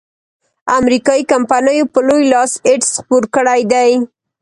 امریکایي کمپینو په لوی لاس ایډز خپور کړیدی.